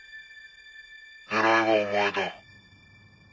狙いはお前だ。